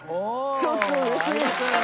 ちょっとうれしいです！